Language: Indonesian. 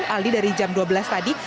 aldi dari jam dua belas tadi